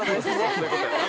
そういうことやな。